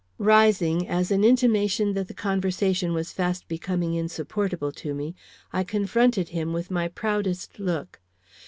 Rising, as an intimation that the conversation was fast becoming insupportable to me, I confronted him with my proudest look.